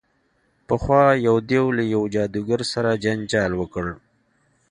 پخوا یو دیو له یوه جادوګر سره جنجال وکړ.